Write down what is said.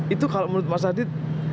itu kalau menurut mas adit